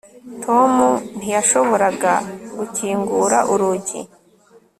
tom ntiyashoboraga gukingura urugi